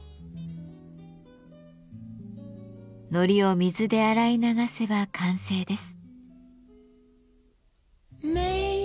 糊を水で洗い流せば完成です。